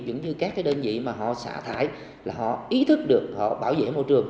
những các đơn vị mà họ xả thải là họ ý thức được họ bảo vệ môi trường